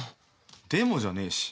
でもじゃねえし。